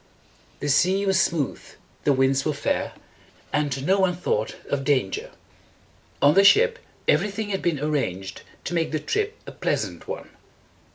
The sea was smooth, the winds were fair, and no one thought of danger. On the ship, every thing had been ar ranged to make the trip a pleasant one.